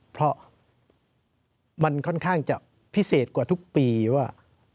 เพราะมันค่อนข้างจะพิเศษกว่าทุกปีว่า